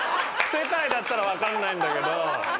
世界だったらわかんないんだけど。